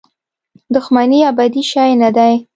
دښمني ابدي شی نه دی.